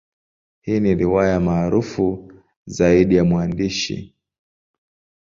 Hii ni riwaya maarufu zaidi ya mwandishi.